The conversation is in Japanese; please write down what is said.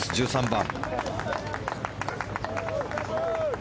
１３番。